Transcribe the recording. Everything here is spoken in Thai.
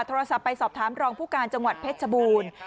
โทรศัพท์ไปสอบถามรองผู้การจังหวัดเพชรชบูรณ์